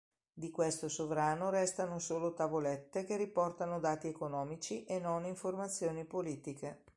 Di questo sovrano restano solo tavolette che riportano dati economici e non informazioni politiche.